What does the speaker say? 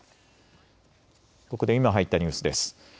ここで今入ったニュースです。